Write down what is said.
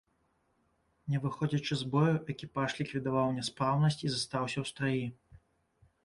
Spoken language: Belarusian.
Не выходзячы з бою, экіпаж ліквідаваў няспраўнасць і застаўся ў страі.